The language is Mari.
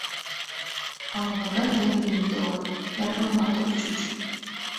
Ала-могай еҥ лийын толын, эргымлат ок чуч.